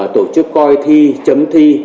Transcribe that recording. tổ chức coi thi chấm thi